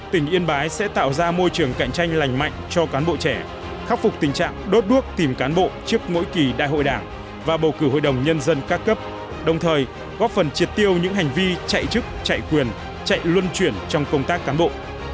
tỉnh yên bái sẽ tạo ra môi trường cạnh tranh lành mạnh cho cán bộ trẻ khắc phục tình trạng đốt đuốc tìm cán bộ trước mỗi kỳ đại hội đảng và bầu cử hội đồng nhân dân ca cấp đồng thời góp phần triệt tiêu những hành vi chạy chức chạy quyền chạy luân chuyển trong công tác cán bộ